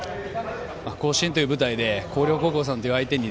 甲子園という舞台で広陵高校さんを相手に